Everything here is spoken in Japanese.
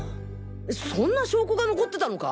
そんな証拠が残ってたのか？